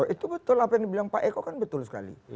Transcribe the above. itu betul apa yang dibilang pak eko kan betul sekali